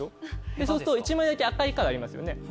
そうすると１枚だけ赤いカードありますよね？